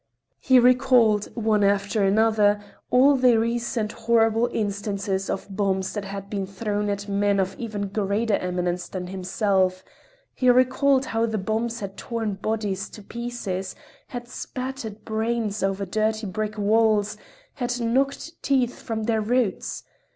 He recalled, one after another, all the recent horrible instances of bombs that had been thrown at men of even greater eminence than himself; he recalled how the bombs had torn bodies to pieces, had spattered brains over dirty brick walls, had knocked teeth from their roots.